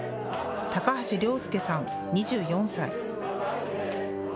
高橋諒佑さん、２４歳。